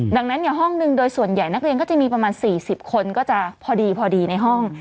ดังนั้นห้องหนึ่งโดยส่วนใหญ่นักเรียนก็จะมีประมาณ๔๐คนก็จะพอดีพอดีในห้อง